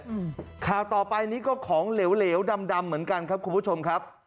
อืมข่าวต่อไปนี้ก็ของเหลวเหลวดำดำเหมือนกันครับคุณผู้ชมครับ